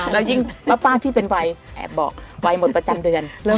แล้วยิ่งป้าที่เป็นวัยแอบบอกวัยหมดประจำเดือน